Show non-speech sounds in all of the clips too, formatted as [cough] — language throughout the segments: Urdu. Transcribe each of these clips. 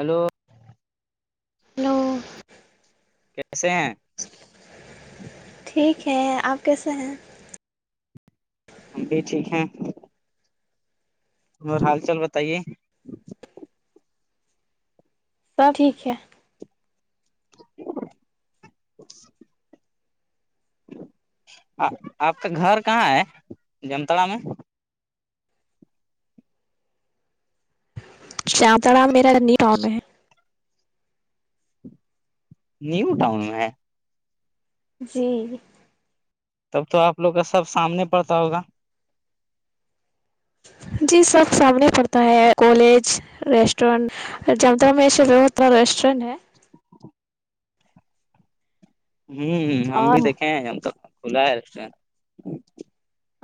ہلو ہیلو کیسے ہیں- ٹھیک ہے آپ کیسے ہیں ہم بھی ٹھیک ہیں- تہ اور حال چال بتائیے- سب ٹھیک ہے- [inaudible] آپ کا گھر کہاں ہے جمتڑا میں شام تڑ میرا رنی ٹپ ہے- نیو ٹؤن میں- جی تب تو آپ لوگ کا سب سامنے پڑتا ہوگا- جی سب سامنے پڑتا ہے کالج ریسٹورینٹ- جم رامشر ب ہوتار رسٹورنٹ ہے- ہوں ہ ہم اور بھی دیکھے ہیں ج تک کھلا ہے ریسٹورینٹ-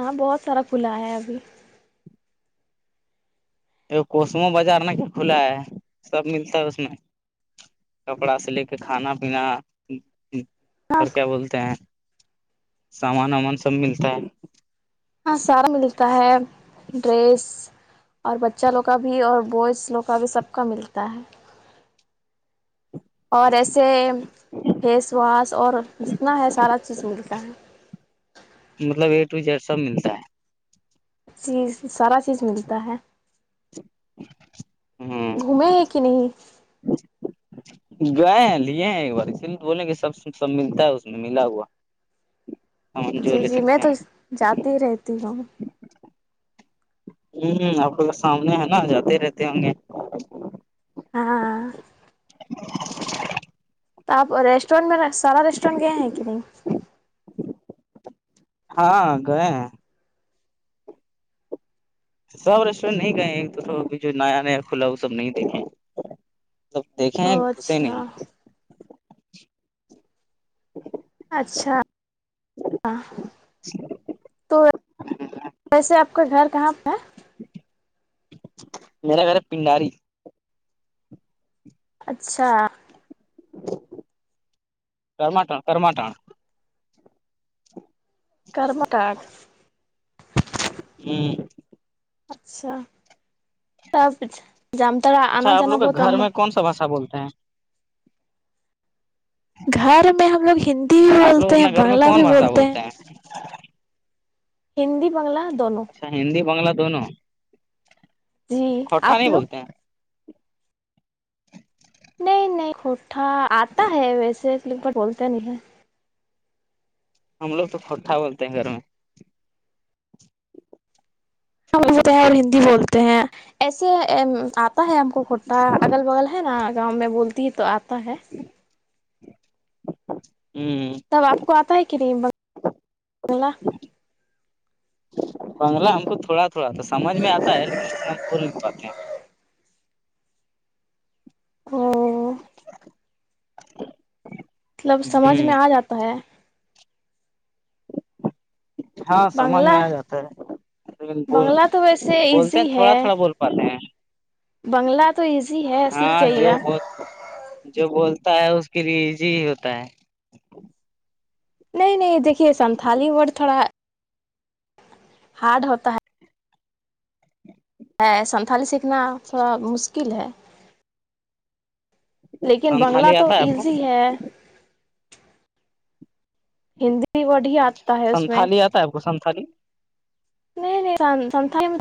ہاں بہت سارا کھلا ہے ابھی- کوسمو بازار ن کیا کھلا ہے سب ملتا ہے اس میں- کپڑا سے لے کے کھانا پینا- ہاں اور کیا بولتے ہیں سامان وامان سب ملتا ہے- ہاں سارا ملتا ہے ڈریس- اور بچہ لوگ کا بھی اور بوائز لوگ کا بھی سب کا ملتا ہے- [inaudible] اور ایسے فیس واس اور جتنا ہے سارا چیز ملتا ہے مطلب اے ٹو جیڈ سب ملتا ہے چیز سارا چیز ملتا ہے- ہے ہ گھومے ہی کہ نہیں- گئے ہیں لیے ہیں ایک بار اسے بولیں کہ سب سب ملتا ہے اس میں ملا ہوا- ہم جو جی لے جی سکتے میں ہیں تو جاتی ہی رہتی ہوں ہوں آپ کو سامنے ہے نا جاتے رہتے ہوں گے ہاں تو آپ ریسٹورینٹ میں سارا ریسٹورینٹ گئے ہیں کہ نہیں ہاں گئے ہیں سب ریسٹورینٹ نہیں گئے تو اب جو نیا نیا کھلا وہ سب نہیں دیکھے مب دیکھیں ہیں او گھسے اچھا نہیں اچھا ہاں تو ویسے آپ کا گھر کہاں پہ ہے ما خھر پنڈاری اچھا ٹماٹا کرماٹان کرم کارڈ ہوں اچھا تب جامتڑا آنا جانا بت باشا بولتے ہیں گھر میں ہم لوگ ہندی بھی آپ لوگ بولتے ہیں اپنا گھر میں بنگلہ کون بھی بولتے ہیں [inaudible] ہندی بنگلہ دونوں اچھا ہندی بنگلہ دونوں جی کھوٹا آپ نہیں لوگ بولتے ہیں نہیں نہیں کٹھا آتا ہے ویسے ل ب بولتے نہیں ہے ہم لوگ تو کھٹا بولتے ہیں گھر میں بولتے ہیں اور ہندی بولتے ہیں ایسے آتا ہے ہم کو کھٹا اگل بغل ہے نا گاؤں میں بولتی ہی تو آتا ہے ہوں تب آپ کو آتا ہے کہ نہیں بنگلہ بنگلہ ہم کو تھوڑا تھوڑا تو سمجھ میں آتا ہے لیکن اتنا ہم بول نہیں پاتے ہیں اور [inaudible] مطلب سمجھ ہیں میں آ ہ جاتا ہے ہاں سمجھ میں بنگلہ آ جاتا ہے لیکن ب بنگلہ تو ویسے بولتے ایزی ہیں تھوڑا ہے تھوڑا بول پاتے ہیں بنگلہ تو ایزی ہے سیکھ ہاں جائیے جو گا بول جو بولتا ہے اس کے لی ایجی ہی ہوتا ہے نہیں نہیں دیکھیے سنتھالی ورڈ تھوڑا ہارڈ ہوتا ہے ہے سنتھالی سیکھنا تھوڑا مشکل ہے لیکن بنگلہ سنتھالی تو آتا ہے آپ کو ایزی ہے ہندی ورڈ ہی آتا ہے اس میں س آپ کو سانتالی نہیں نہیں سانال میں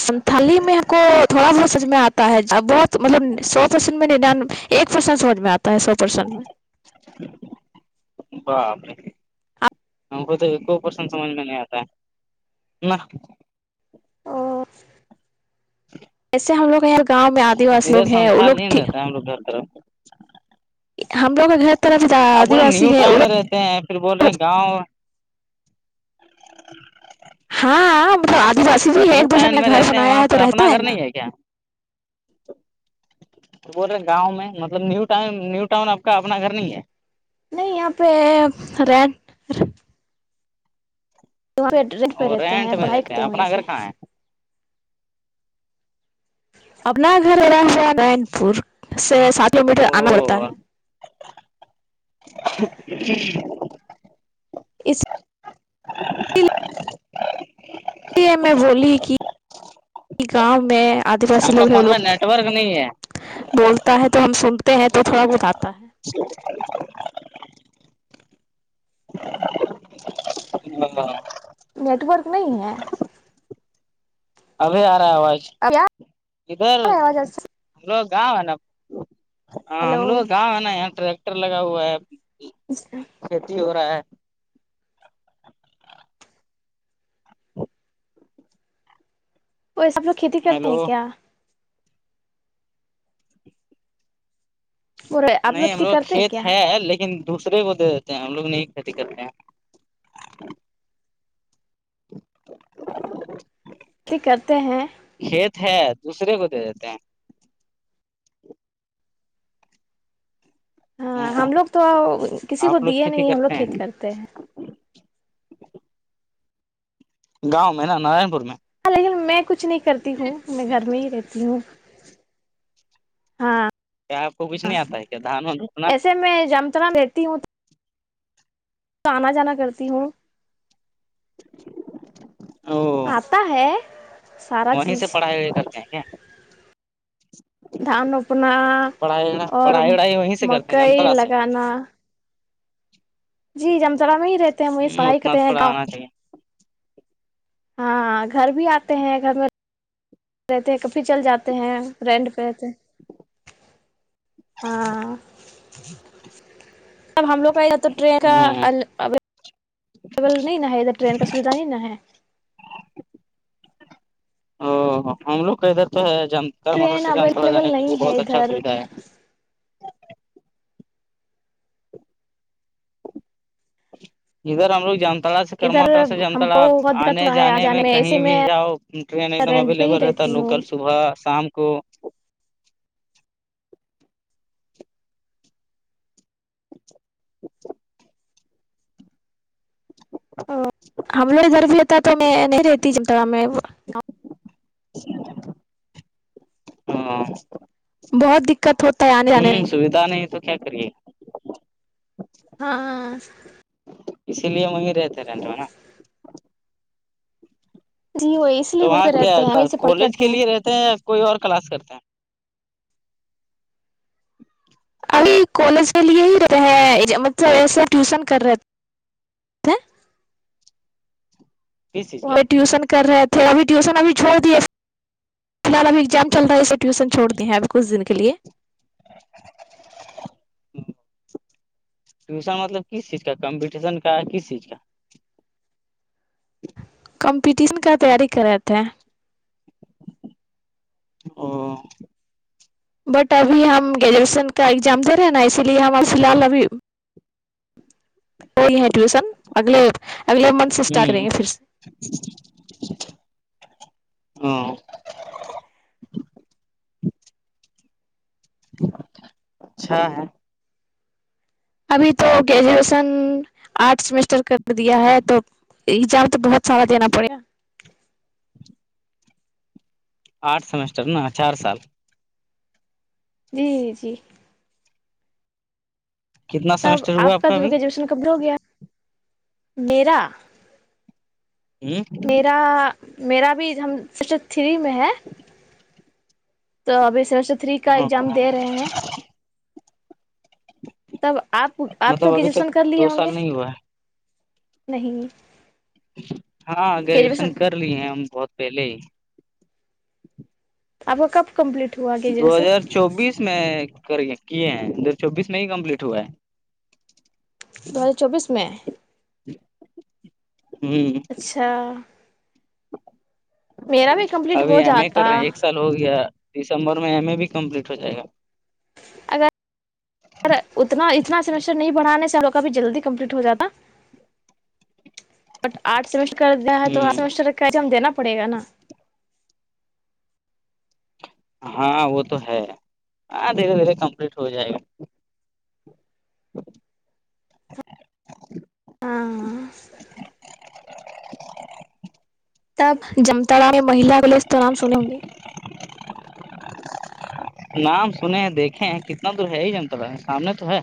سانتالی میں ہے کو تھوڑا بہت سمج میں آتا ہے بہت مطلب سو پرسینٹ میں نان ایک پرسینٹ سمج میں آتا ہے سو پرسینٹ میں [inaudible] ان تو ہیک پسند س مجھ متا نہ ایسے ہم لوگ ار گاؤں میں آدی واسی لوگ ہیں وہ لوگھیک ر برا ہم لوگ کا گھر طرف آپ آدی بولے واسی نیو ہے ٹاؤن میں رہتے ہیں پھر بول رہے ہیں گاؤں ہاں مطلب آدی واسی بھی ایک نیو دوجن ٹاؤن نے میں گھر رہتے ہیں سنایا وہاں ہے تو پر رہتا ہے نا تو بول رہے گاؤں میں مطلب نیو ٹؤ نیو ٹاؤن آپ کا اپنا گھر نہیں ہے نہیں یہاں پہ ریڈ تو رٹ پہ اور رہتے رینٹ ہیں میں پڑھائی رہتے کرتے ہیں وہیں اپنا سے گھر کہاں ہے اپنا گھر با ہوا نارن پور سے سات کلو میٹر آنا پڑتا ہے جی ج اس اس لیے میں بولی کہ گاؤں میں آدی وسی آپ کا لوگ ہیں وہ فون میں لوگ نیٹ ورک نہیں ہے بولتا ہے تو ہم سنتے ہیں تو تھوڑا بت آاتا ہے ہ نیٹ ورک نہیں ہے ابھی آ رہا ہے آواز اب کیا ادھر آواز ایسے ہم لو گاؤں ہے نا ہاں ہم ہیلو لوگ گاؤں ہے نا یہاں ٹریکٹر لگا ہوا ہے اچا کھیتی ہو رہا ہے وہ یہ سب لوگ کھیتی کرتے ہیلو ہیں کیا برے آپ نہیں ہم کھیتی لوگ کرتے ہیں کھیت کیا ہے لیکن دوسرے کو دے دیتے ہیں ہم لوگ نہیں کھیتی کرتے ہیں کرتے ہیں کھیت ہے دوسرے کو دے دیتے ہیں ہاں ہ ہم لوگ تو کسی کو آپ لوگ دیے کھیتی نہیں ہم لوگ کرتے کھیتی ہیں کرتے ہیں گاؤں میں نا نارائن پور میں ل میں کچھ نہیں کرتی ہوں میں گھر میں ہی رہتی ہوں ہاں کیا آپ کو کچھ نہیں آتا ہے کیا دھان روپنا ایسے میں جمتر رہتی ہوں تو آنا جانا کرتی ہوں او آتا ہے سارا وہیں سے چیز پڑھائی ہو کرتے ہیں کیا دھان روپنا پڑھائی اور پڑھائی وڑھائی وہیں سے کرتے ہیں مکئی انترا سے لگانا جی جمترا میں ہی رہتے ہیں وہ یہ ہ پڑائی اتنا کرتے ہیں تھوڑا گاں آنا چاہیے ہاں گھر بھی آتے ہیں گھر میں رہتے ہیں کبھی چل جاتے ہیں رینڈ پہ رہتے ہاں ب ہم لوگ کا ادھر تو ٹرین کا ہ ابل نہیں نا ہے ادھر ٹرین کا سویدھا نہیں نا ہے او ہم لوگ کا ادھر تو ہے جان موٹر ٹرین سائل ہم تھڑ جانے اویلیبل کے لی نہیں ہے بہت اچھا ادھر سویدھا ہے جدھر ہم ل کو جانتے تا سے ادھر کرمٹر سے ہم جمتڑا کو بہت دقت آنے ہوا ہے آ جانے میں کہیں ایسے بھی میں جاؤ ٹرین ایک دم رینٹ پہ اویلیبل ہی رہتا ہے رہتی لوکل ہوں صبح شام کو [inaudible] ہم لو ضرد ہوتا تو میں نہیں رہتی جم ت میں ہاں بہت دقت ہوتا ہے آنے جانے میں پتا نہیں تو کیا کریے ہاں اسی لیے وہگ رہے تھے رینٹو نا جی وہ اس تو لیے وہیں وہاں پہ کیا رہتے ہیں وہیں سے پڑھائی کالج کرتے کے ہیں لیے رہتے ہیں یا کوئی اور کلاس کرتے ہیں ابھی کالج کے لیے ہی رہتا ہیں مطلب ایسا ٹیوشن کر رہے کس چیز وہ کا بھی ٹیوشن کر رہے تھے ابھی ٹیوشن ابھی چھوڑ دیے فی الحال ابھی ایگزام چل رہا ہے ٹیوشن چھو دی ہیں ابھی کچ دن کے لیے ہ ٹیوشن مطلب کس چیز کا کمپٹیشن کا کس چیز کا کمپٹیشن کا تیاری کر رہے تھے او بٹ ابھی ہم گریجویشن کا ایگزام دے رہے ہیں نا اسی لیے ہمار فی الحال ابھی [inaudible] وہی ہے ٹیوشن اگلے اگلے منتھ سے اسٹارٹ کریں گے پھر سے ہاں اچھا ہے ابھی تو گریجویشن آرٹ سمیسٹر کر دیا ہے تو یہ جار تو بہت سارا دینا پڑے گا آٹھ سمیسٹر نا چار سال جی جی جی کتنا تب سیمسٹر ہوا آپ کا تو ابھی گریجویشن کمپلیٹ ہو گیا میرا میرا میرا بھی ہم سکشن تھری میں ہے تو ابھی سمیسٹر تھری کا ہ ایگزام دے رہے ہیں تب آپ آپ تو مطلب ابھی تک گجوشن کر لیے دو ہوں گے سال نہیں ہوا ہے نہیں ہاں گریجویشن کر لی ہیں ہم بہت پہلے ہی آپ کو کب کمپلیٹ ہوا دو گریجویشن ہزار چوبیس میں کر کیے ہیں دو ہار چوبیس میں ہی کمپلیٹ ہوا ہے دو ہزار چوبیس میں ہمم اچھا میرا بھی کمپلیٹ ابھی ہو ایم اے جاتا کر رہے ہیں ایک سال ہو گیا دسمبر میں ایم اے بھی کمپلیٹ ہو جائے گا اگر سر اتنا اتنا سیمیسٹر نہیں بڑھانے چاہو کبھی جلدی کمپلیٹ ہو جاتا [inaudible] بٹ آٹھ سمیسٹر کر دیا ہے تو ہ آٹھ سمسٹر ہم دینا پڑے گ نا ہاں وہ تو ہے ہاں دھیرے دھیرے کمپلیٹ ہو جائے گا ہاں تب جمتاڑا میں مہی کے لیے اس تو نام سنے ہوں گے [inaudible] نام سنے ہیں دیکھیں کتنا دور ہے یہی جنتالہ سامنے تو ہے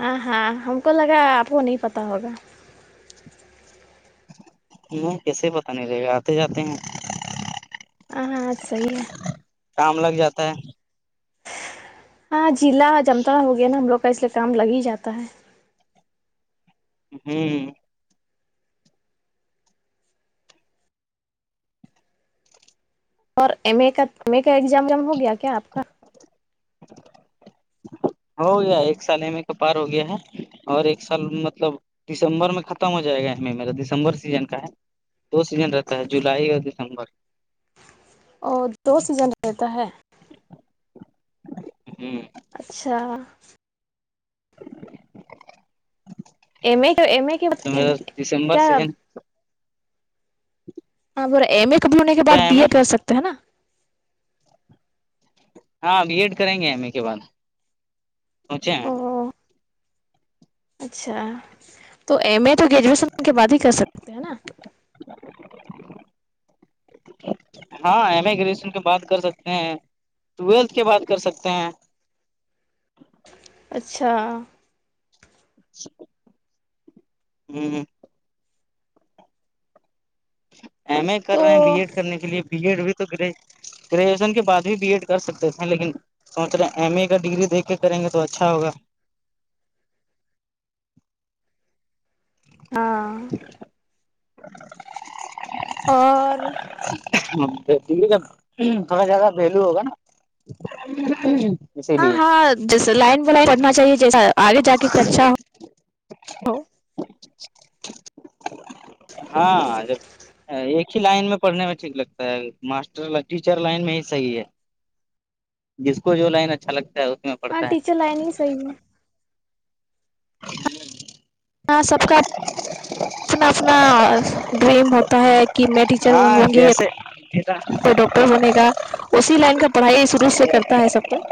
ہاں ہاں ہم کو لگا آپ کو نہیں پتا ہوگا نہیں کیسے ہی پتا نہیں رہے گا آتے جاتے ہیں ہاں صحیح ہے کام لگ جاتا ہے ہاں جلا جمتاڑا ہو گیا نا ہم لوگ کا اس لیے کام لگ ہی جاتا ہے ہمم اور ایم اے کا ایمے کا ایگزام جم ہو گیا کیا آپ کا [inaudible] ہو گیا ایک سال ای میں کا پار ہو گیا ہے اور ایک سال مطلب دسمبر میں ختم ہو جائے گا ہمیں میرا دسمبر سیزن کا ہے دو سیزن رہتا ہے جولائی اوریا دسمبر اورو دو سیزن رہتا ہے ہمم اچھا ایم ا ایم ا تو میرا دسمبر کیا سیزن وہاں پر ایم ا کب ہونے کے بعد کیا ہے بی ایڈ ہمیں کر سکتے ہیں نا ہاں بی ایڈ کریں گے ایم اے کے بعد پہنچے ہیں او اچھا تو ایم ا تو گریجویشن کے بعد ہی کر سکتے ہیں نا [inaudible] [inaudible] ہاں ایم اے گریجویشن کے بات کر سکتے ہیں ٹویلتھ کی بات کر سکتے ہیں اچھا اچ [inaudible] ہی [unintelligible] ایم ا کر تو رہے ہیں بی ایڈ کرنے کے لیے بی ایڈ بھی تو گ گریجویشن کے بعد بھی بی ایڈ کر سکتے تھے لیکن سوچ رہے ہیں ایم اے کا ڈگری دیک کے کریں گے تو اچھا ہوا ہاں [inaudible] اور دے تھوڑا جیادہ ولو ہوگا نا سے ل ہاں بھی [unintelligible] ہاں جیسے لائن بائن کرنا چاہیے جیس آگے جا کے اچھا ہو ہاں ایک ہی لائن میں پڑنے میں ٹھیک لگتا ہے ماسٹر ٹیچر لائن میں ہی صحیح ہے جس کو جو لائن اچھا لگتا ہے اس میں ہاں پڑھتا ہے ٹیچر لائن ہی صحی ہے ہاں سب کا اپنا اپنا ڈریم ہوتا ہے کہ میں ٹیچر بنوں گی یا جا کوئی [unintelligible] ڈاکٹر بنے گا اسی لائن کا پڑھائی شروع سے کرتا ہے سب کوئی